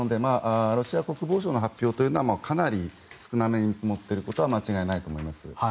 ロシア国防省の発表はかなり少なめに見積もっていることは間違いないと思います。